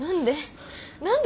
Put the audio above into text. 何で？